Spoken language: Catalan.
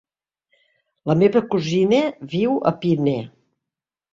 La meva cosina viu a Pina.